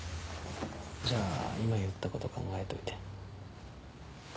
じゃあ今言ったこと考えといて。